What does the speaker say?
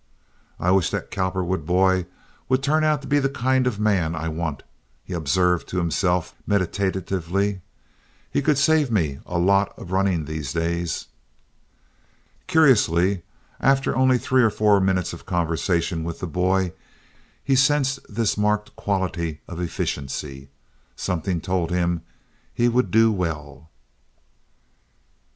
"I wish that Cowperwood boy would turn out to be the kind of man I want," he observed to himself, meditatively. "He could save me a lot of running these days." Curiously, after only three or four minutes of conversation with the boy, he sensed this marked quality of efficiency. Something told him he would do well.